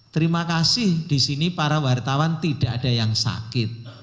terima kasih di sini para wartawan tidak ada yang sakit